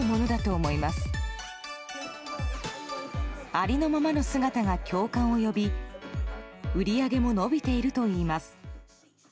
ありのままの姿が共感を呼び売り上げも伸びているといいます。